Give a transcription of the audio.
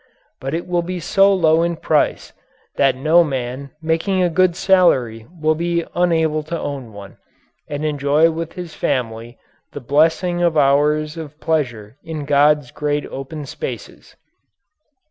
But it will be so low in price that no man making a good salary will be unable to own one and enjoy with his family the blessing of hours of pleasure in God's great open spaces."